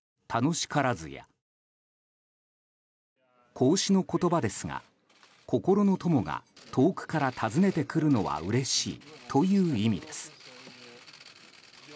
孔子の言葉ですが心の友が遠くから訪ねてくるのはうれしいという意味です。